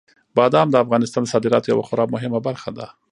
بادام د افغانستان د صادراتو یوه خورا مهمه برخه ده.